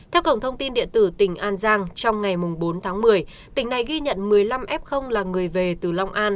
theo cổng thông tin điện tử tỉnh an giang trong ngày bốn tháng một mươi tỉnh này ghi nhận một mươi năm f là người về từ long an